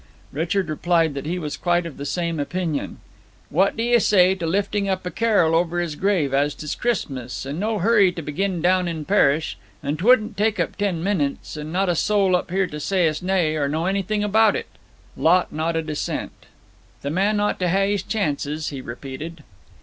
Richard replied that he was quite of the same opinion. 'What d'ye say to lifting up a carrel over his grave, as 'tis Christmas, and no hurry to begin down in parish, and 'twouldn't take up ten minutes, and not a soul up here to say us nay, or know anything about it?' Lot nodded assent. 'The man ought to hae his chances,' he repeated.